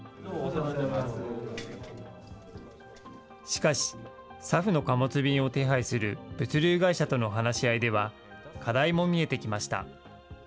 しかし、ＳＡＦの貨物便を手配する物流会社との話し合いでは、課題も見えてきました。